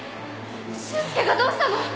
俊介がどうしたの？